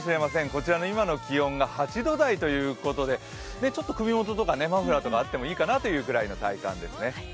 こちらの今の気温が８度台ということで、ちょっと首元とかマフラーとかがあってもいいかなという体感ですね。